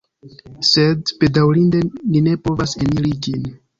Sed, bedaŭrinde ni ne povas eniri ĝin.